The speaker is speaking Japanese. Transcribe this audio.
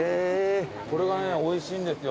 これがねおいしいんですよ。